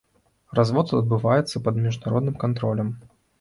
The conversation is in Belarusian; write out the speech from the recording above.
Развод адбываецца пад міжнародным кантролем.